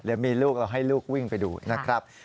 เดี๋ยวมีลูกเราให้ลูกวิ่งไปดูนะครับ